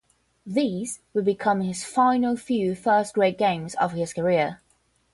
These would become his final few first-grade games of his career.